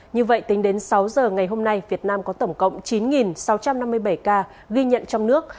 như vậy tính đến sáu giờ ngày hôm nay việt nam có tổng cộng chín sáu trăm năm mươi bảy ca ghi nhận trong nước